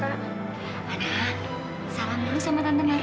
ana salam dulu sama tante marta